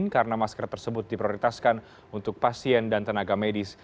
karena masker tersebut diprioritaskan untuk pasien dan tenaga medis